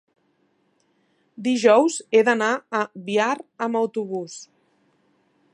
Dijous he d'anar a Biar amb autobús.